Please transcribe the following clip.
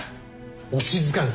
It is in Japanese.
お静かに。